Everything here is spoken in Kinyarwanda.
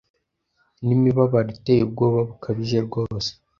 Nimibabaro iteye ubwoba bukabije rwose